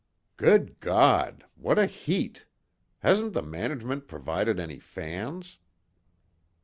"Good God! What a heat! Hasn't the management provided any fans?"